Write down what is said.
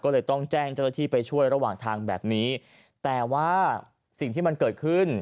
ก็เลยต้องแจ้งเจ้าหน้าที่ไปช่วยระหว่างทางแบบนี้แต่ว่าสิ่งที่มันเกิดขึ้น